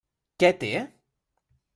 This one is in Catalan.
Què té?